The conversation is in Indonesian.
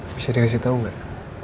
bisa dikasih tau gak